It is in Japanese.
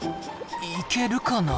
行けるかな？